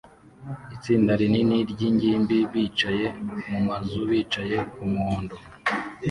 Itsinda rinini ryingimbi bicaye mumazu bicaye kumuhondo